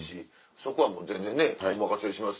そこはもう全然ねお任せします。